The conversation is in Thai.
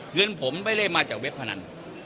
เงินผมไม่ได้มาจากเว็บพนัน